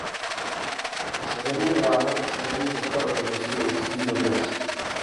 Severní brána a severní cesta do pevnosti existují dodnes.